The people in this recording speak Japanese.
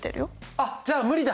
あっじゃあ無理だ。